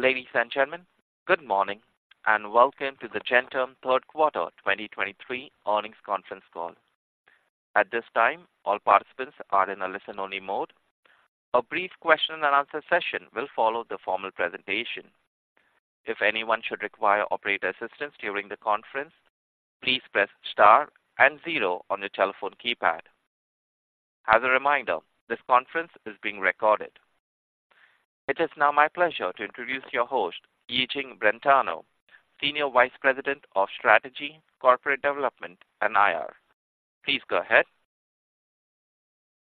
Ladies and gentlemen, good morning, and welcome to the Gentherm Third Quarter 2023 Earnings Conference Call. At this time, all participants are in a listen-only mode. A brief question and answer session will follow the formal presentation. If anyone should require operator assistance during the conference, please press star and zero on your telephone keypad. As a reminder, this conference is being recorded. It is now my pleasure to introduce your host, Yijing Brentano, Senior Vice President of Strategy, Corporate Development, and IR. Please go ahead.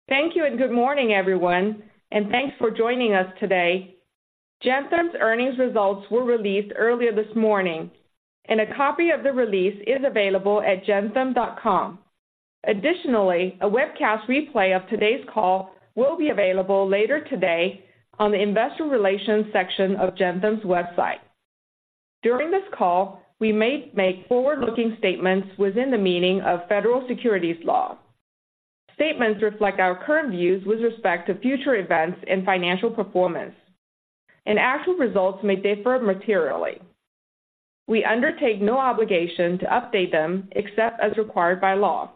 Thank you, and good morning, everyone, and thanks for joining us today. Gentherm's earnings results were released earlier this morning, and a copy of the release is available at gentherm.com. Additionally, a webcast replay of today's call will be available later today on the Investor Relations section of Gentherm's website. During this call, we may make forward-looking statements within the meaning of federal securities law. Statements reflect our current views with respect to future events and financial performance, and actual results may differ materially. We undertake no obligation to update them except as required by law.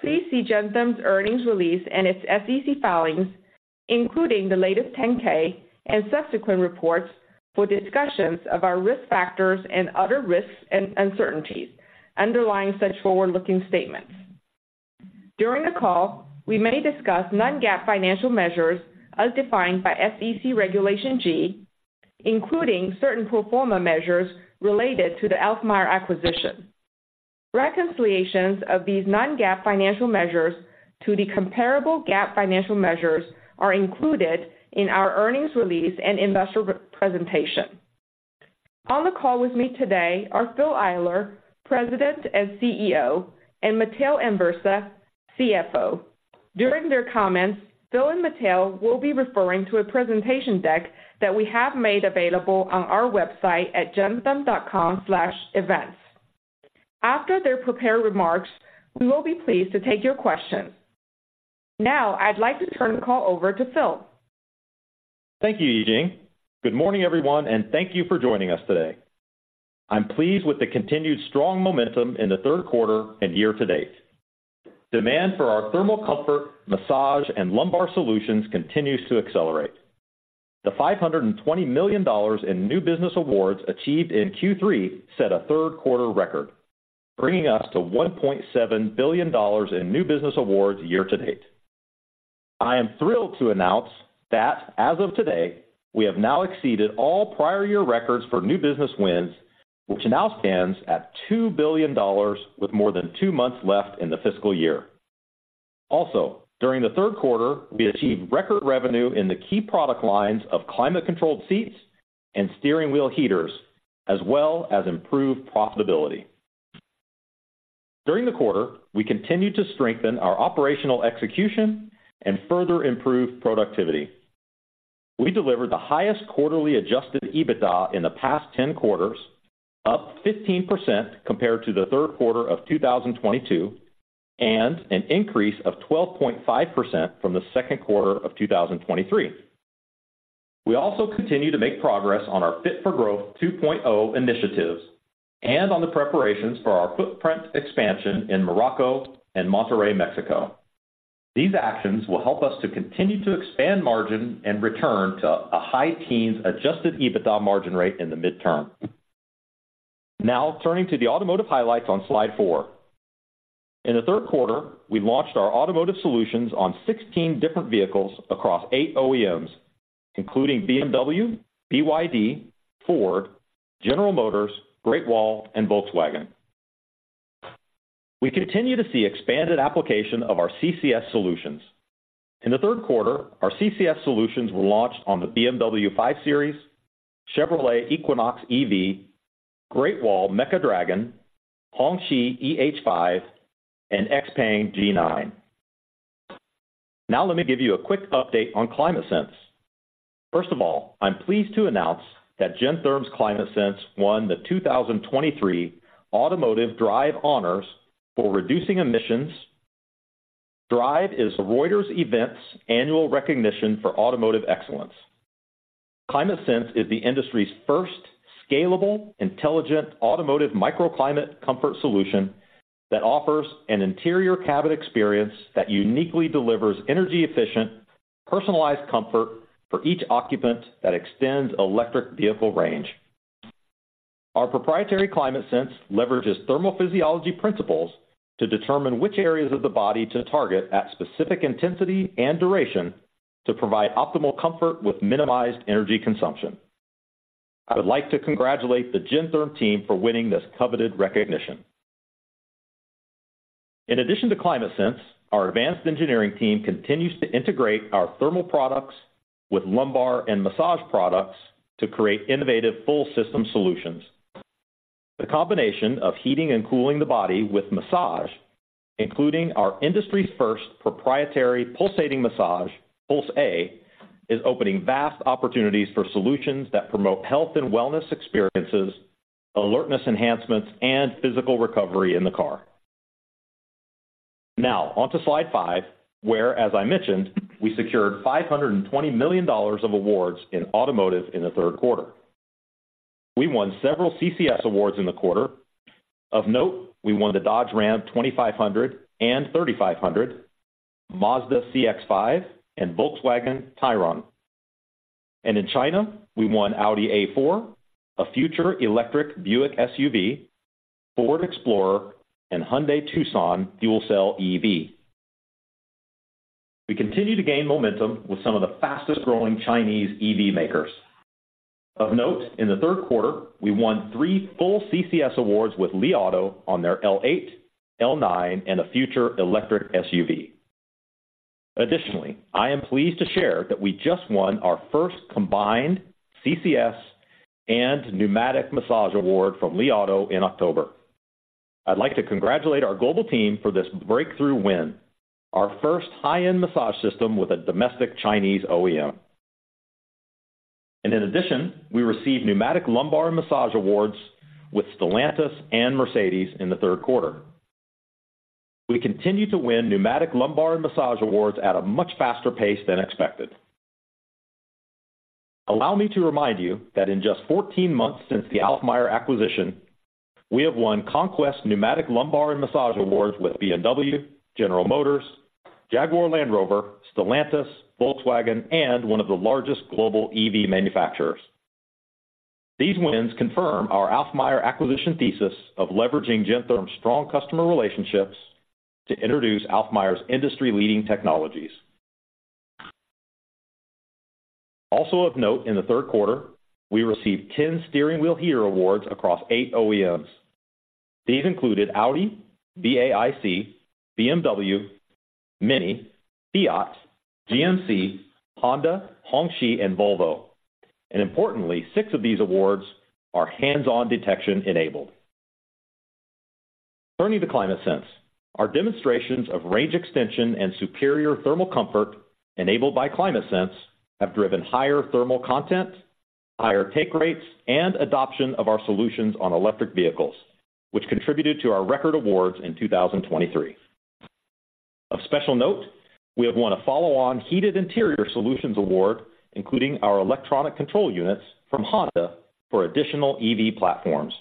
Please see Gentherm's earnings release and its SEC filings, including the latest 10-K and subsequent reports, for discussions of our risk factors and other risks and uncertainties underlying such forward-looking statements. During the call, we may discuss non-GAAP financial measures as defined by SEC Regulation G, including certain pro forma measures related to the Alfmeier acquisition. Reconciliations of these non-GAAP financial measures to the comparable GAAP financial measures are included in our earnings release and investor presentation. On the call with me today are Phil Eyler, President and CEO, and Matteo Anversa, CFO. During their comments, Phil and Matteo will be referring to a presentation deck that we have made available on our website at gentherm.com/events. After their prepared remarks, we will be pleased to take your questions. Now, I'd like to turn the call over to Phil. Thank you, Yijing. Good morning, everyone, and thank you for joining us today. I'm pleased with the continued strong momentum in the third quarter and year-to-date. Demand for our thermal comfort, massage, and lumbar solutions continues to accelerate. The $520 million in new business awards achieved in Q3 set a third quarter record, bringing us to $1.7 billion in new business awards year-to-date. I am thrilled to announce that as of today, we have now exceeded all prior year records for new business wins, which now stands at $2 billion with more than two months left in the fiscal year. Also, during the third quarter, we achieved record revenue in the key product lines of climate-controlled seats and steering wheel heaters, as well as improved profitability. During the quarter, we continued to strengthen our operational execution and further improve productivity. We delivered the highest quarterly adjusted EBITDA in the past 10 quarters, up 15% compared to the third quarter of 2022, and an increase of 12.5% from the second quarter of 2023. We also continue to make progress on our Fit-for-Growth 2.0 initiatives and on the preparations for our footprint expansion in Morocco and Monterrey, Mexico. These actions will help us to continue to expand margin and return to a high teens adjusted EBITDA margin rate in the midterm. Now, turning to the automotive highlights on Slide 4. In the third quarter, we launched our automotive solutions on 16 different vehicles across eight OEMs, including BMW, BYD, Ford, General Motors, Great Wall, and Volkswagen. We continue to see expanded application of our CCS solutions. In the third quarter, our CCS solutions were launched on the BMW 5 Series, Chevrolet Equinox EV, Great Wall Mecha Dragon, Hongqi EH5, and XPENG G9. Now, let me give you a quick update on ClimateSense. First of all, I'm pleased to announce that Gentherm's ClimateSense won the 2023 Automotive D.R.I.V.E Honours for reducing emissions. D.R.I.V.E is Reuters Events' annual recognition for automotive excellence. ClimateSense is the industry's first scalable, intelligent, automotive microclimate comfort solution that offers an interior cabin experience that uniquely delivers energy-efficient, personalized comfort for each occupant that extends electric vehicle range. Our proprietary ClimateSense leverages thermal physiology principles to determine which areas of the body to target at specific intensity and duration to provide optimal comfort with minimized energy consumption. I would like to congratulate the Gentherm team for winning this coveted recognition. In addition to ClimateSense, our advanced engineering team continues to integrate our thermal products with lumbar and massage products to create innovative full system solutions. The combination of heating and cooling the body with massage, including our industry's first proprietary pulsating massage, Puls.A, is opening vast opportunities for solutions that promote health and wellness experiences, alertness enhancements, and physical recovery in the car. Now on to Slide 5, where, as I mentioned, we secured $520 million of awards in automotive in the third quarter. We won several CCS awards in the quarter. Of note, we won the Dodge Ram 2500 and 3500, Mazda CX-5, and Volkswagen Tayron. And in China, we won Audi A4, a future electric Buick SUV, Ford Explorer, and Hyundai Tucson Fuel Cell EV. We continue to gain momentum with some of the fastest-growing Chinese EV makers. Of note, in the third quarter, we won three full CCS awards with Li Auto on their L8, L9, and a future electric SUV. Additionally, I am pleased to share that we just won our first combined CCS and pneumatic massage award from Li Auto in October. I'd like to congratulate our global team for this breakthrough win, our first high-end massage system with a domestic Chinese OEM. And in addition, we received pneumatic lumbar massage awards with Stellantis and Mercedes in the third quarter. We continue to win pneumatic lumbar and massage awards at a much faster pace than expected. Allow me to remind you that in just 14 months since the Alfmeier acquisition, we have won conquest pneumatic lumbar and massage awards with BMW, General Motors, Jaguar Land Rover, Stellantis, Volkswagen, and one of the largest global EV manufacturers. These wins confirm our Alfmeier acquisition thesis of leveraging Gentherm's strong customer relationships to introduce Alfmeier's industry-leading technologies. Also of note, in the third quarter, we received 10 steering wheel heater awards across eight OEMs. These included Audi, BAIC, BMW, Mini, Fiat, GMC, Honda, Hongqi, and Volvo. Importantly, six of these awards are hands-on detection enabled. Turning to ClimateSense, our demonstrations of range extension and superior thermal comfort enabled by ClimateSense have driven higher thermal content, higher take rates, and adoption of our solutions on electric vehicles, which contributed to our record awards in 2023. Of special note, we have won a follow-on heated interior solutions award, including our electronic control units from Honda for additional EV platforms.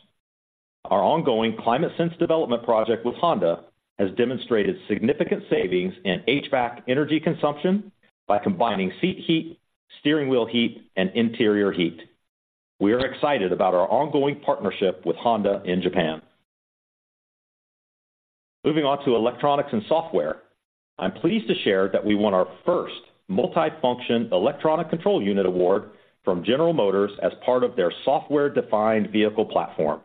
Our ongoing ClimateSense development project with Honda has demonstrated significant savings in HVAC energy consumption by combining seat heat, steering wheel heat, and interior heat. We are excited about our ongoing partnership with Honda in Japan. Moving on to electronics and software, I'm pleased to share that we won our first multi-function electronic control unit award from General Motors as part of their software-defined vehicle platform.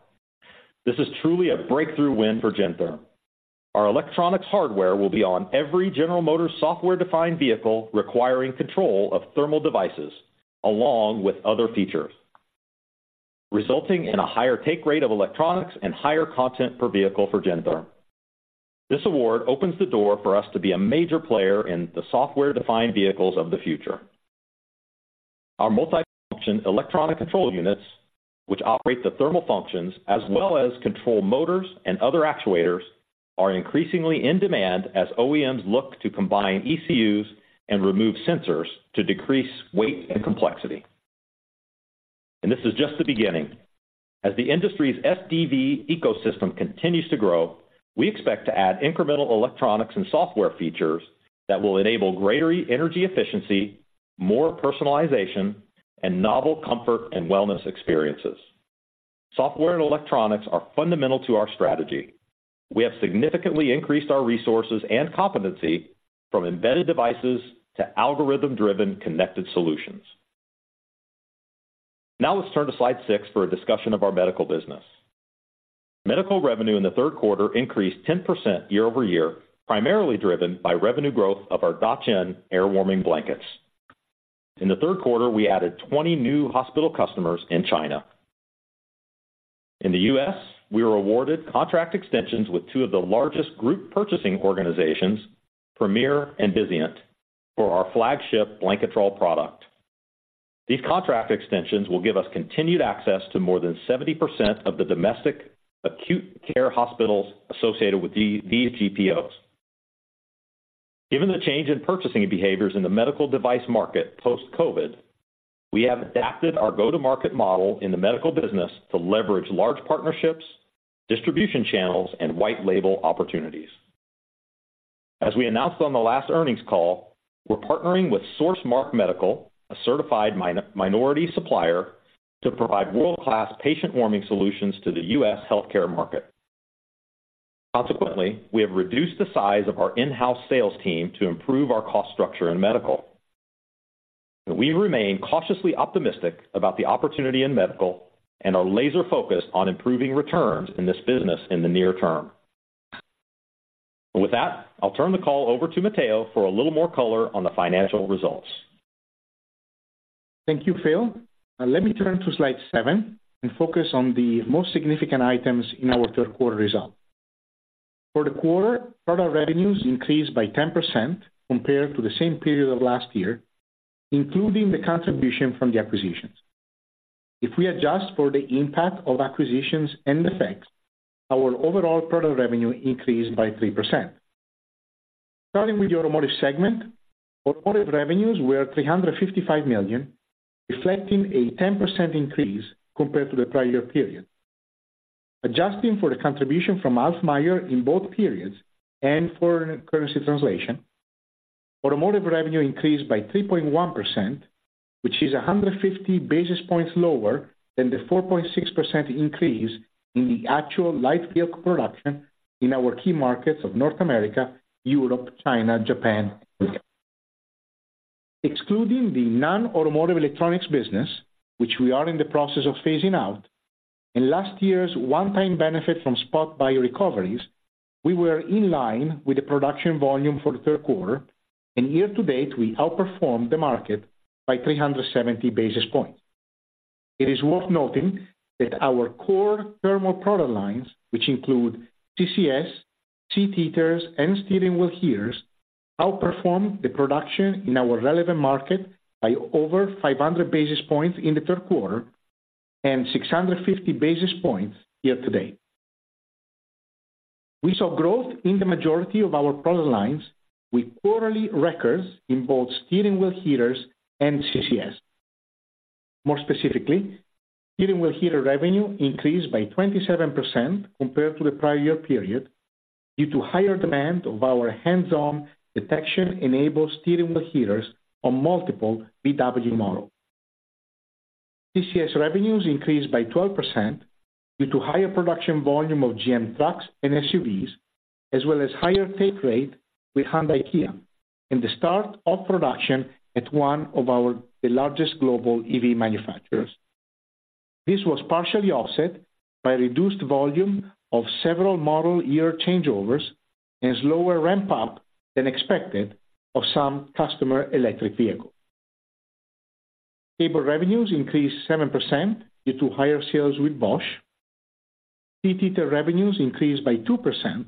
This is truly a breakthrough win for Gentherm. Our electronics hardware will be on every General Motors software-defined vehicle, requiring control of thermal devices, along with other features, resulting in a higher take rate of electronics and higher content per vehicle for Gentherm. This award opens the door for us to be a major player in the software-defined vehicles of the future. Our multifunction electronic control units, which operate the thermal functions as well as control motors and other actuators, are increasingly in demand as OEMs look to combine ECUs and remove sensors to decrease weight and complexity. This is just the beginning. As the industry's SDV ecosystem continues to grow, we expect to add incremental electronics and software features that will enable greater energy efficiency, more personalization, and novel comfort and wellness experiences. Software and electronics are fundamental to our strategy. We have significantly increased our resources and competency from embedded devices to algorithm-driven connected solutions. Now let's turn to Slide 6 for a discussion of our medical business. Medical revenue in the third quarter increased 10% year-over-year, primarily driven by revenue growth of our Dacheng air warming blankets. In the third quarter, we added 20 new hospital customers in China. In the U.S., we were awarded contract extensions with two of the largest group purchasing organizations, Premier and Vizient, for our flagship Blanketrol product. These contract extensions will give us continued access to more than 70% of the domestic acute care hospitals associated with these GPOs. Given the change in purchasing behaviors in the medical device market post-COVID, we have adapted our go-to-market model in the medical business to leverage large partnerships, distribution channels, and white label opportunities. As we announced on the last earnings call, we're partnering with SourceMark Medical, a certified minority supplier, to provide world-class patient warming solutions to the U.S. healthcare market. Consequently, we have reduced the size of our in-house sales team to improve our cost structure in medical. We remain cautiously optimistic about the opportunity in medical and are laser-focused on improving returns in this business in the near term. With that, I'll turn the call over to Matteo for a little more color on the financial results. Thank you, Phil. Now let me turn to Slide 7 and focus on the most significant items in our third quarter results. For the quarter, product revenues increased by 10% compared to the same period of last year, including the contribution from the acquisitions. If we adjust for the impact of acquisitions and the effects, our overall product revenue increased by 3%. Starting with the automotive segment, automotive revenues were $355 million, reflecting a 10% increase compared to the prior period. Adjusting for the contribution from Alfmeier in both periods and foreign currency translation, automotive revenue increased by 3.1%, which is 150 basis points lower than the 4.6% increase in the actual light vehicle production in our key markets of North America, Europe, China, Japan, and Korea. Excluding the non-automotive electronics business, which we are in the process of phasing out, in last year's one-time benefit from spot buy recoveries, we were in line with the production volume for the third quarter, and year-to-date, we outperformed the market by 370 basis points. It is worth noting that our core thermal product lines, which include CCS, seat heaters, and steering wheel heaters, outperformed the production in our relevant market by over 500 basis points in the third quarter and 650 basis points year-to-date. We saw growth in the majority of our product lines, with quarterly records in both steering wheel heaters and CCS. More specifically, steering wheel heater revenue increased by 27% compared to the prior year period, due to higher demand of our hands-on detection-enabled steering wheel heaters on multiple VW models. CCS revenues increased by 12% due to higher production volume of GM trucks and SUVs, as well as higher take rate with Hyundai, Kia, and the start of production at one of the largest global EV manufacturers. This was partially offset by reduced volume of several model year changeovers and slower ramp-up than expected of some customer electric vehicles. Cable revenues increased 7% due to higher sales with Bosch. Seat heater revenues increased by 2%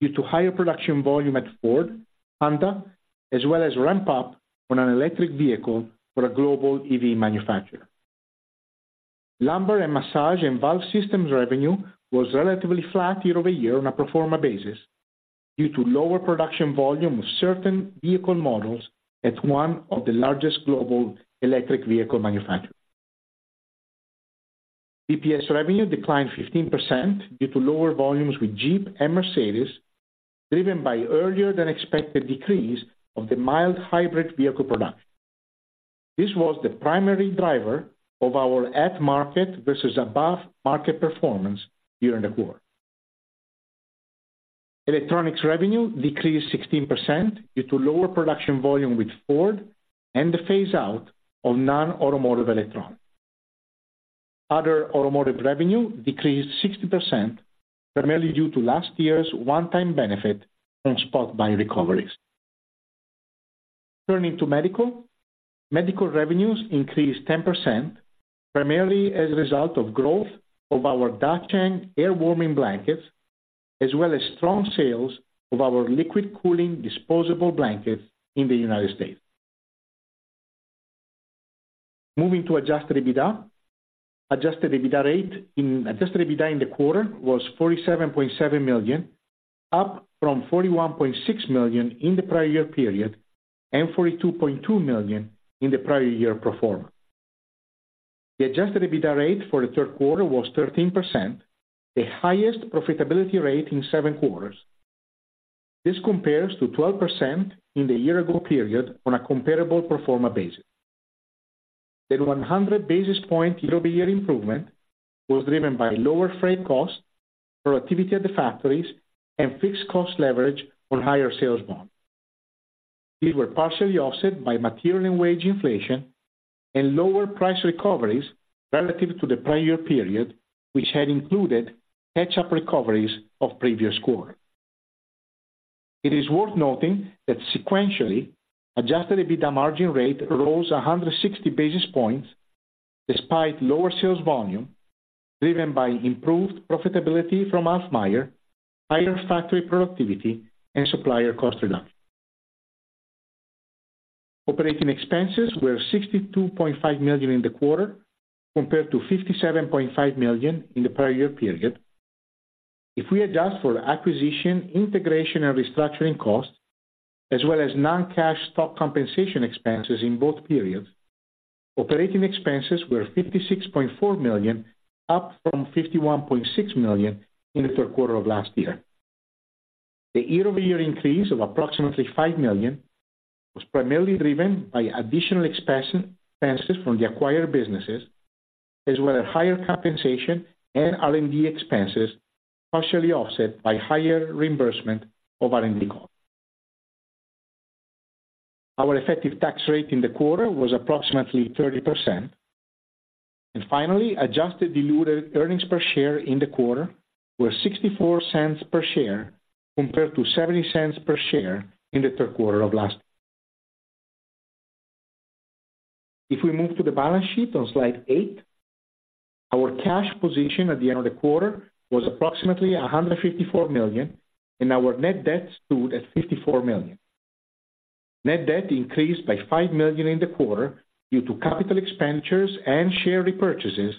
due to higher production volume at Ford, Honda, as well as ramp-up on an electric vehicle for a global EV manufacturer. Lumbar and massage and valve systems revenue was relatively flat year-over-year on a pro forma basis due to lower production volume of certain vehicle models at one of the largest global electric vehicle manufacturers. BPS revenue declined 15% due to lower volumes with Jeep and Mercedes, driven by earlier than expected decrease of the mild hybrid vehicle production. This was the primary driver of our at market versus above market performance during the quarter. Electronics revenue decreased 16% due to lower production volume with Ford and the phase out of non-automotive electronics. Other automotive revenue decreased 60%, primarily due to last year's one-time benefit from spot buy recoveries. Turning to medical. Medical revenues increased 10%, primarily as a result of growth of our Dacheng air warming blankets, as well as strong sales of our liquid cooling disposable blankets in the United States. Moving to adjusted EBITDA. Adjusted EBITDA in the quarter was $47.7 million, up from $41.6 million in the prior year period, and $42.2 million in the prior year pro forma. The adjusted EBITDA rate for the third quarter was 13%, the highest profitability rate in seven quarters. This compares to 12% in the year-ago period on a comparable pro forma basis. The 100 basis point year-over-year improvement was driven by lower freight costs, productivity at the factories, and fixed cost leverage on higher sales volume. These were partially offset by material and wage inflation and lower price recoveries relative to the prior period, which had included catch-up recoveries of previous quarter. It is worth noting that sequentially, adjusted EBITDA margin rate rose 100 basis points despite lower sales volume, driven by improved profitability from Alfmeier, higher factory productivity, and supplier cost reduction. Operating expenses were $62.5 million in the quarter, compared to $57.5 million in the prior year period. If we adjust for acquisition, integration, and restructuring costs, as well as non-cash stock compensation expenses in both periods, operating expenses were $56.4 million, up from $51.6 million in the third quarter of last year. The year-over-year increase of approximately $5 million was primarily driven by additional expenses, expenses from the acquired businesses, as well as higher compensation and R&D expenses, partially offset by higher reimbursement of R&D costs. Our effective tax rate in the quarter was approximately 30%. Finally, adjusted diluted earnings per share in the quarter were $0.64 per share, compared to $0.70 per share in the third quarter of last year. If we move to the balance sheet on Slide 8, our cash position at the end of the quarter was approximately $154 million, and our net debt stood at $54 million. Net debt increased by $5 million in the quarter due to capital expenditures and share repurchases,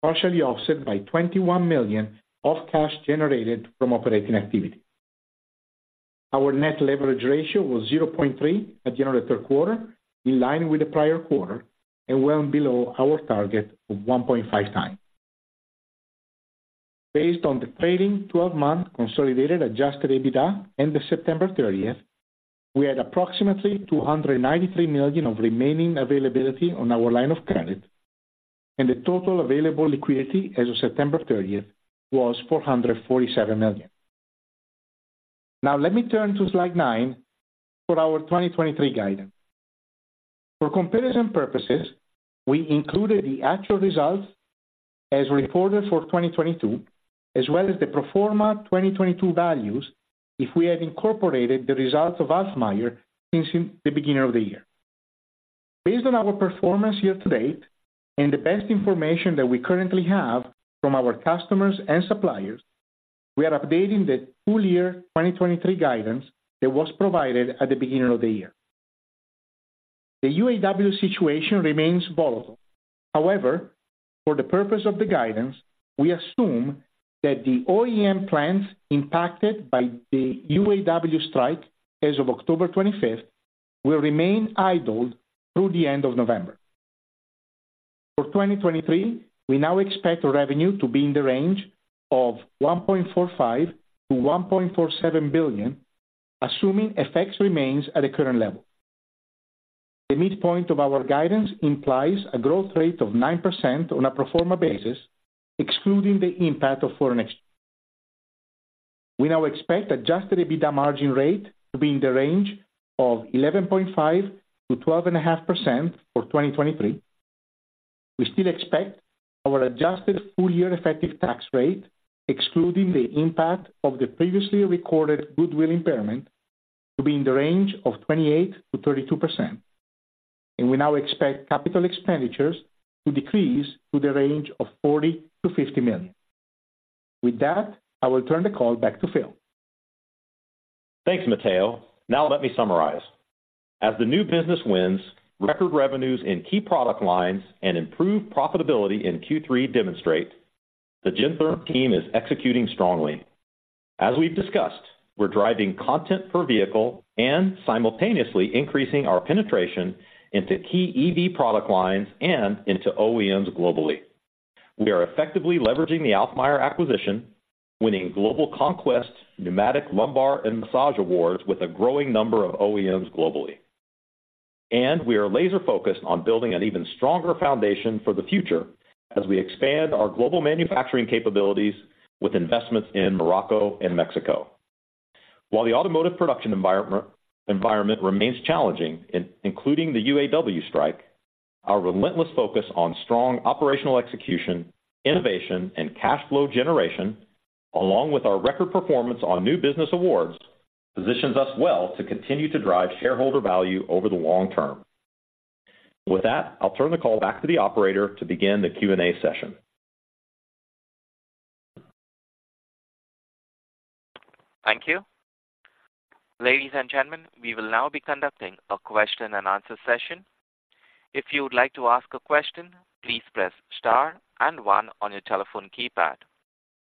partially offset by $21 million of cash generated from operating activity. Our net leverage ratio was 0.3x at the end of the third quarter, in line with the prior quarter and well below our target of 1.5x. Based on the trailing 12-month consolidated adjusted EBITDA as of September 30, we had approximately $293 million of remaining availability on our line of credit, and the total available liquidity as of September 30th was $447 million. Now let me turn to Slide 9 for our 2023 guidance. For comparison purposes, we included the actual results as reported for 2022, as well as the pro forma 2022 values if we had incorporated the results of Alfmeier since the beginning of the year. Based on our performance year-to-date and the best information that we currently have from our customers and suppliers, we are updating the full-year 2023 guidance that was provided at the beginning of the year. The UAW situation remains volatile. However, for the purpose of the guidance, we assume that the OEM plants impacted by the UAW strike as of October 25th will remain idled through the end of November. For 2023, we now expect revenue to be in the range of $1.45 billion-$1.47 billion, assuming FX remains at the current level. The midpoint of our guidance implies a growth rate of 9% on a pro forma basis, excluding the impact of foreign exchange. We now expect adjusted EBITDA margin rate to be in the range of 11.5%-12.5% for 2023. We still expect our adjusted full year effective tax rate, excluding the impact of the previously recorded goodwill impairment, to be in the range of 28%-32%. We now expect capital expenditures to decrease to the range of $40 million-$50 million. With that, I will turn the call back to Phil. Thanks, Matteo. Now let me summarize. As the new business wins, record revenues in key product lines and improved profitability in Q3 demonstrate, the Gentherm team is executing strongly. As we've discussed, we're driving content per vehicle and simultaneously increasing our penetration into key EV product lines and into OEMs globally. We are effectively leveraging the Alfmeier acquisition, winning global conquest, pneumatic, lumbar, and massage awards with a growing number of OEMs globally. And we are laser-focused on building an even stronger foundation for the future as we expand our global manufacturing capabilities with investments in Morocco and Mexico. While the automotive production environment remains challenging, including the UAW strike, our relentless focus on strong operational execution, innovation, and cash flow generation, along with our record performance on new business awards, positions us well to continue to drive shareholder value over the long term. With that, I'll turn the call back to the operator to begin the Q&A session. Thank you. Ladies and gentlemen, we will now be conducting a question and answer session. If you would like to ask a question, please press star and one on your telephone keypad.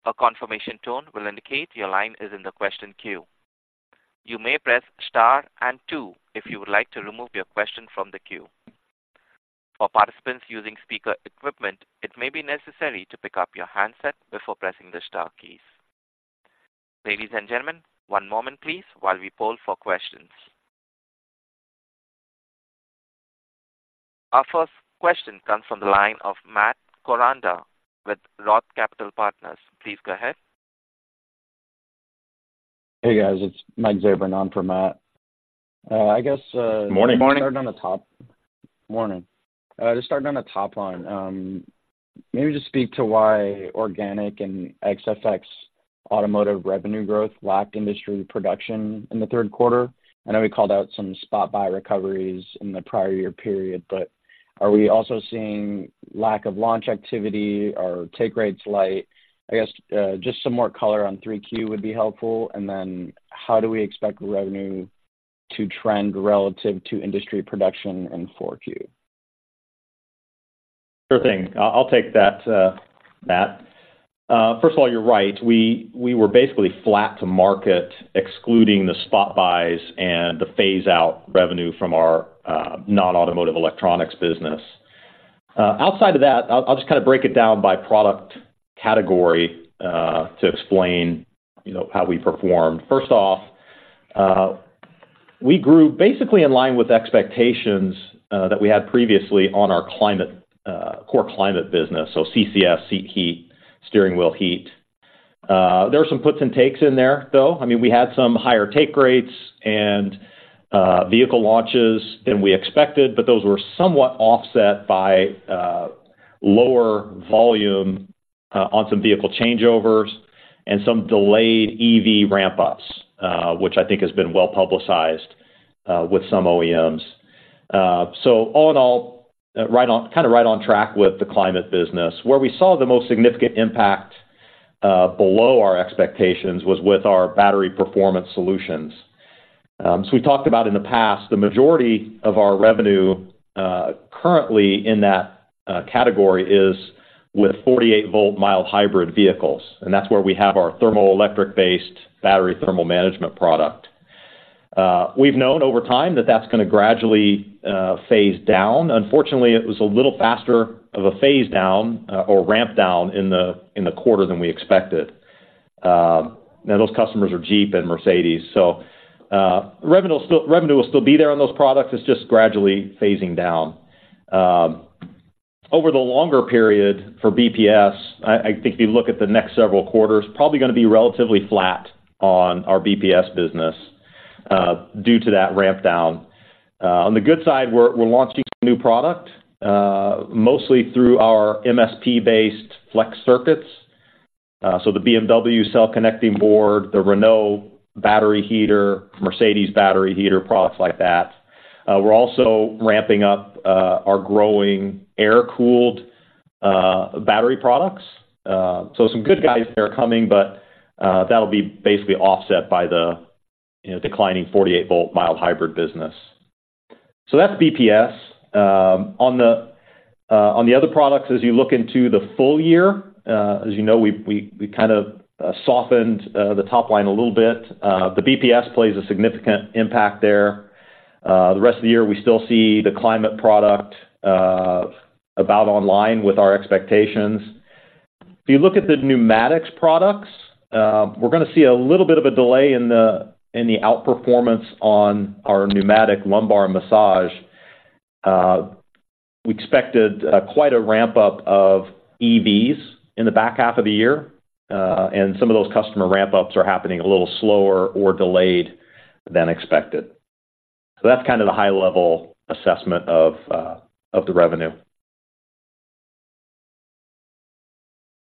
A confirmation tone will indicate your line is in the question queue. You may press star and two if you would like to remove your question from the queue. For participants using speaker equipment, it may be necessary to pick up your handset before pressing the star keys. Ladies and gentlemen, one moment please, while we poll for questions. Our first question comes from the line of Matt Koranda with Roth Capital Partners. Please go ahead. Hey, guys, it's Mike Zabran on for Matt. Morning. Morning. Just starting on the top line. Maybe just speak to why organic and FX automotive revenue growth lacked industry production in the third quarter. I know we called out some spot buy recoveries in the prior year period, but are we also seeing lack of launch activity or take rates light? I guess, just some more color on 3Q would be helpful. And then how do we expect revenue to trend relative to industry production in 4Q? Sure thing. I, I'll take that, Matt. First of all, you're right. We, we were basically flat to market, excluding the spot buys and the phaseout revenue from our, non-automotive electronics business. Outside of that, I'll, I'll just kind of break it down by product category, to explain, you know, how we performed. First off, we grew basically in line with expectations, that we had previously on our climate, core climate business. So CCS, seat heat, steering wheel heat. There were some puts and takes in there, though. I mean, we had some higher take rates and, vehicle launches than we expected, but those were somewhat offset by, lower volume, on some vehicle changeovers and some delayed EV ramp-ups, which I think has been well-publicized, with some OEMs. So all in all, right on, kind of right on track with the climate business. Where we saw the most significant impact below our expectations was with our Battery Performance Solutions. So we talked about in the past, the majority of our revenue currently in that category is with 48-volt mild hybrid vehicles, and that's where we have our thermoelectric-based battery thermal management product. We've known over time that that's gonna gradually phase down. Unfortunately, it was a little faster of a phase down or ramp down in the quarter than we expected. Now those customers are Jeep and Mercedes. So revenue will still, revenue will still be there on those products. It's just gradually phasing down. Over the longer period for BPS, I think if you look at the next several quarters, probably gonna be relatively flat on our BPS business due to that ramp down. On the good side, we're launching some new product, mostly through our MSP-based flex circuits. So the BMW cell connecting board, the Renault battery heater, Mercedes battery heater, products like that. We're also ramping up our growing air-cooled battery products. So some good guys that are coming, but that'll be basically offset by the, you know, declining 48-volt mild hybrid business. So that's BPS. On the other products, as you look into the full year, as you know, we kind of softened the top line a little bit. The BPS plays a significant impact there. The rest of the year, we still see the climate product about online with our expectations. If you look at the pneumatics products, we're gonna see a little bit of a delay in the outperformance on our pneumatic lumbar massage. We expected quite a ramp-up of EVs in the back half of the year, and some of those customer ramp-ups are happening a little slower or delayed than expected. So that's kind of the high level assessment of the revenue.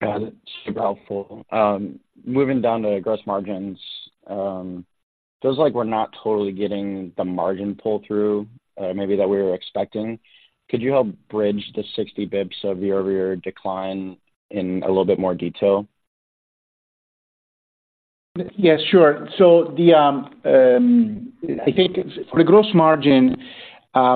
Got it. Super helpful. Moving down to gross margins, feels like we're not totally getting the margin pull-through, maybe that we were expecting. Could you help bridge the 60 basis points of year-over-year decline in a little bit more detail? Yeah, sure. So I think for the gross margin,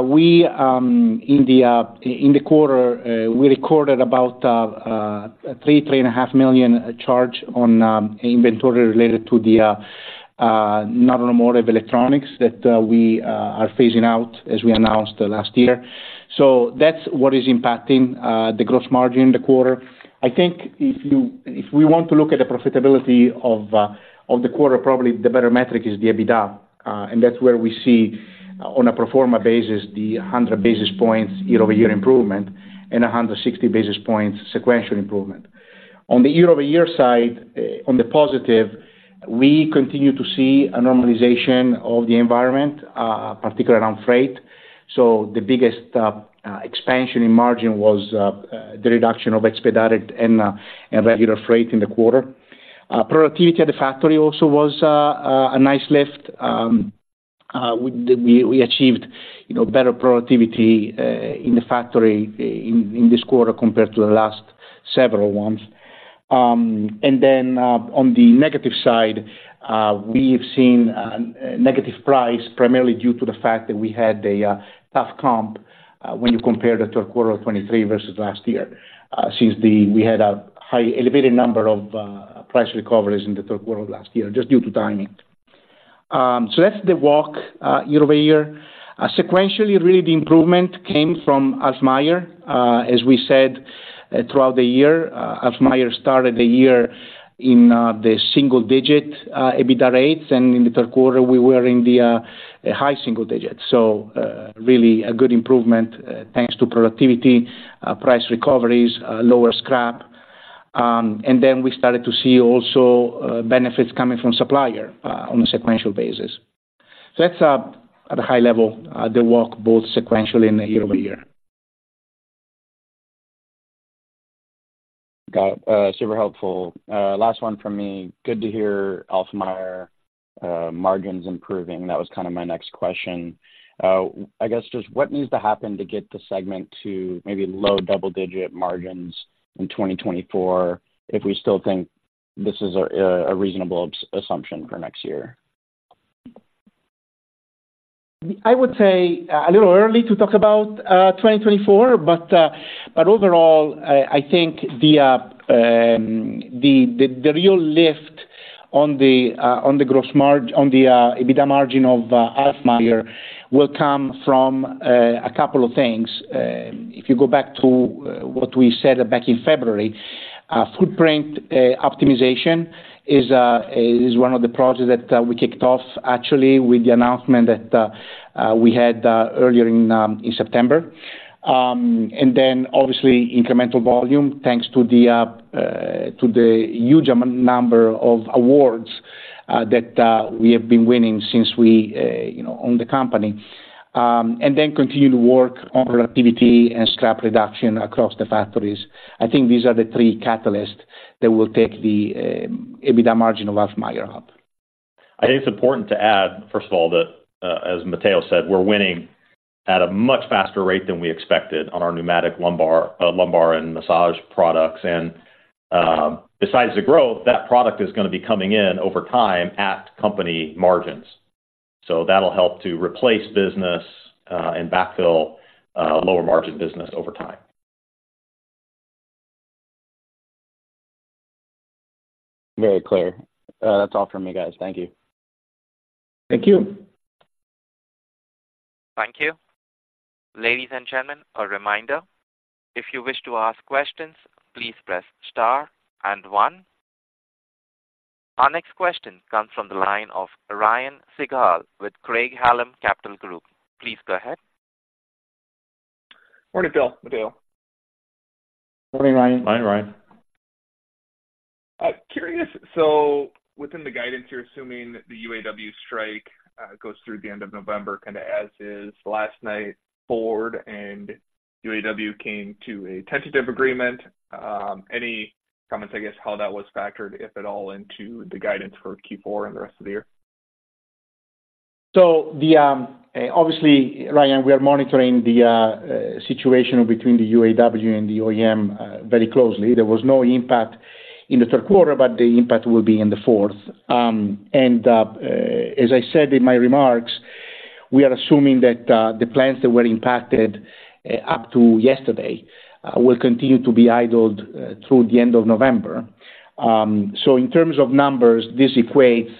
we in the quarter we recorded about $3 million-$3.5 million charge on inventory related to the non-automotive electronics that we are phasing out, as we announced last year. So that's what is impacting the gross margin in the quarter. I think if we want to look at the profitability of the quarter, probably the better metric is the EBITDA, and that's where we see on a pro forma basis, the 100 basis points year-over-year improvement and 160 basis points sequential improvement. On the year-over-year side, on the positive, we continue to see a normalization of the environment, particularly around freight. So the biggest expansion in margin was the reduction of expedited and regular freight in the quarter. Productivity at the factory also was a nice lift. We achieved, you know, better productivity in the factory in this quarter compared to the last several ones. And then, on the negative side, we've seen negative price, primarily due to the fact that we had a tough comp when you compare the third quarter of 2023 versus last year, since we had a high elevated number of price recoveries in the third quarter of last year, just due to timing. So that's the walk year-over-year. Sequentially, really, the improvement came from Alfmeier. As we said, throughout the year, Alfmeier started the year in the single-digit EBITDA rates, and in the third quarter, we were in the high single digits. So, really a good improvement, thanks to productivity, price recoveries, lower scrap. And then we started to see also benefits coming from supplier on a sequential basis. So that's, at a high level, the walk, both sequentially and year-over-year. Got it. Super helpful. Last one from me. Good to hear Alfmeier margins improving. That was kind of my next question. I guess just what needs to happen to get the segment to maybe low double-digit margins in 2024, if we still think this is a reasonable assumption for next year? I would say, a little early to talk about 2024, but overall, I think the real lift on the gross margin, on the EBITDA margin of Alfmeier will come from a couple of things. If you go back to what we said back in February, footprint optimization is one of the projects that we kicked off, actually, with the announcement that we had earlier in September. And then, obviously, incremental volume, thanks to the huge number of awards that we have been winning since we, you know, owned the company. And then continued work on productivity and scrap reduction across the factories. I think these are the three catalysts that will take the EBITDA margin of Alfmeier up. I think it's important to add, first of all, that, as Matteo said, we're winning at a much faster rate than we expected on our pneumatic lumbar, lumbar and massage products. And, besides the growth, that product is gonna be coming in over time at company margins. So that'll help to replace business, and backfill, lower margin business over time. Very clear. That's all from me, guys. Thank you. Thank you. Thank you. Ladies and gentlemen, a reminder, if you wish to ask questions, please press star and one. Our next question comes from the line of Ryan Sigdahl with Craig-Hallum Capital Group. Please go ahead. Morning, Phil, Matteo. Morning, Ryan. Morning, Ryan. Curious, so within the guidance, you're assuming the UAW strike goes through the end of November, kinda as is. Last night, Ford and UAW came to a tentative agreement. Any comments, I guess, how that was factored, if at all, into the guidance for Q4 and the rest of the year? Obviously, Ryan, we are monitoring the situation between the UAW and the OEM very closely. There was no impact in the third quarter, but the impact will be in the fourth. And as I said in my remarks, we are assuming that the plants that were impacted up to yesterday will continue to be idled through the end of November. So in terms of numbers, this equates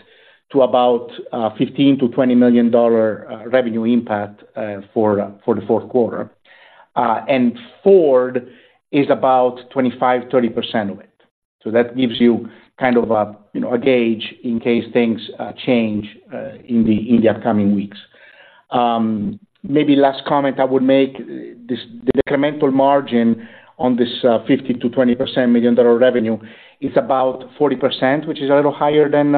to about $15 million-$20 million revenue impact for the fourth quarter. And Ford is about 25%-30% of it. So that gives you kind of a you know a gauge in case things change in the upcoming weeks. Maybe last comment I would make, this—the incremental margin on this, 15%-20% $1 million revenue is about 40%, which is a little higher than,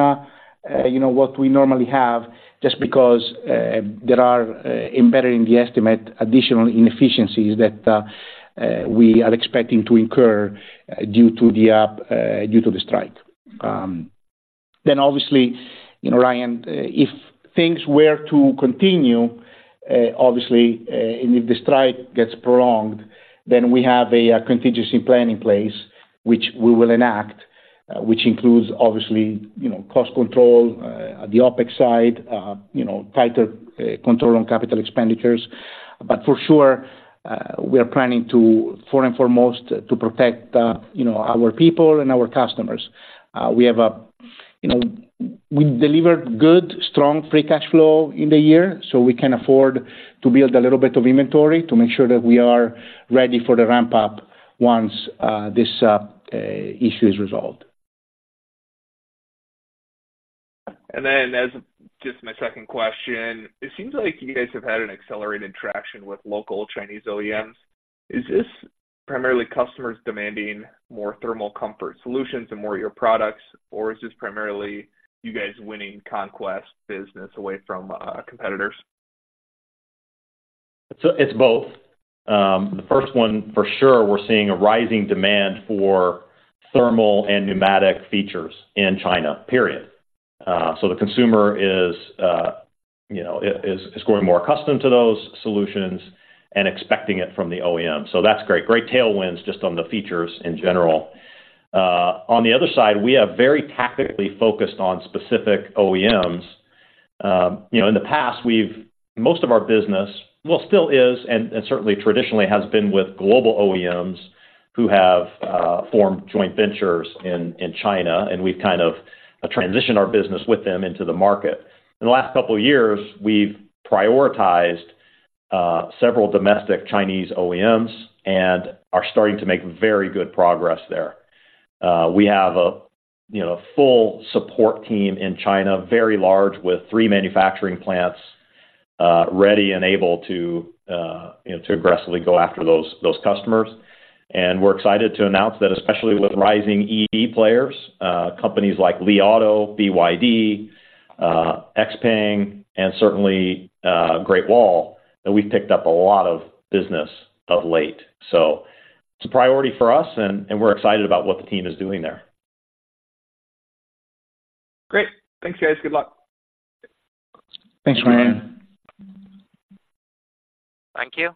you know, what we normally have, just because, there are embedded in the estimate, additional inefficiencies that we are expecting to incur due to the, due to the strike. Then obviously, you know, Ryan, if things were to continue, obviously, and if the strike gets prolonged, then we have a contingency plan in place, which we will enact, which includes, obviously, you know, cost control, the OpEx side, you know, tighter control on capital expenditures. But for sure, we are planning to, first and foremost, to protect, you know, our people and our customers. We have a, you know, we delivered good, strong, free cash flow in the year, so we can afford to build a little bit of inventory to make sure that we are ready for the ramp-up once this issue is resolved. And then as just my second question, it seems like you guys have had an accelerated traction with local Chinese OEMs. Is this primarily customers demanding more thermal comfort solutions and more of your products, or is this primarily you guys winning conquest business away from, competitors? It's, it's both. The first one, for sure, we're seeing a rising demand for thermal and pneumatic features in China, period. So the consumer is, you know, growing more accustomed to those solutions and expecting it from the OEM. So that's great. Great tailwinds just on the features in general. On the other side, we are very tactically focused on specific OEMs. You know, in the past, we've most of our business, well, still is, and certainly traditionally has been with global OEMs who have formed joint ventures in China, and we've kind of transitioned our business with them into the market. In the last couple of years, we've prioritized several domestic Chinese OEMs and are starting to make very good progress there. We have a, you know, a full support team in China, very large, with three manufacturing plants, ready and able to, you know, to aggressively go after those, those customers. And we're excited to announce that especially with rising EV players, companies like Li Auto, BYD, XPENG, and certainly, Great Wall, that we've picked up a lot of business of late. So it's a priority for us, and, and we're excited about what the team is doing there. Great. Thanks, guys. Good luck. Thanks, Ryan. Thank you.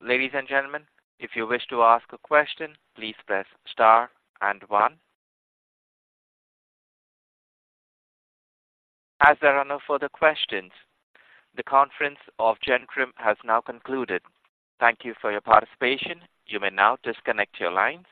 Ladies and gentlemen, if you wish to ask a question, please press star and one. As there are no further questions, the conference of Gentherm has now concluded. Thank you for your participation. You may now disconnect your lines.